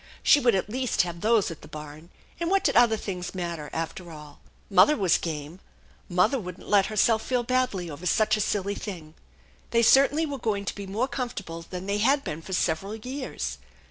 She would at least have those at the barn, and what did other things mat ter, after all ? Mother was game. Mother wouldn't let herself feel badly over such a silly thing. They certainly were going to be more comfortable than they had been for several years.